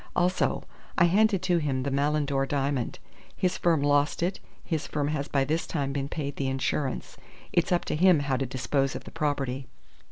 "Also I handed to him the Malindore diamond. His firm lost it. His firm has by this time been paid the insurance. It's up to him how to dispose of the property.